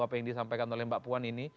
apa yang disampaikan oleh mbak puan ini